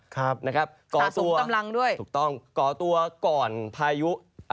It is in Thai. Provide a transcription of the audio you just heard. ครับสาธารณ์สูงตำรังด้วยถูกต้องก่อตัวก่อนพายุ